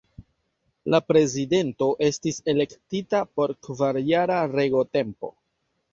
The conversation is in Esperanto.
La Prezidento estis elektita por kvarjara regotempo.